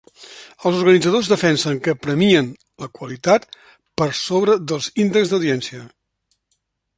Els organitzadors defensen que premien la qualitat per sobre dels índexs d'audiència.